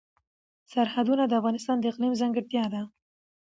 سرحدونه د افغانستان د اقلیم ځانګړتیا ده.